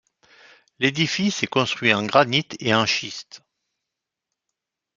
L'édifice est construit en granite et en schiste.